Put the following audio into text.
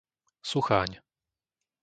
Sucháň